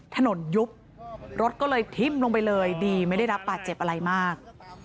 ยุบรถก็เลยทิ้มลงไปเลยดีไม่ได้รับบาดเจ็บอะไรมาก